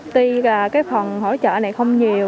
tuy là cái phần hỗ trợ này không nhiều